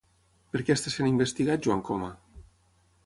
Per què està sent investigat Joan Coma?